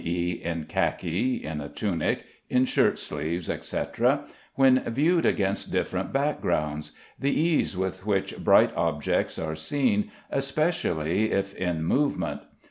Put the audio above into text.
e., in khaki, in a tunic, in shirt sleeves, etc., when viewed against different backgrounds; the ease with which bright objects are seen, especially if in movement.